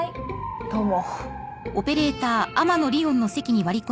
どうも。